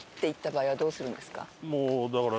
もうだから。